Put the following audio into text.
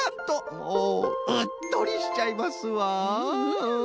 おおうっとりしちゃいますわ。フフフ。